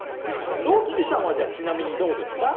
ロッチさんはじゃあちなみにどうですか？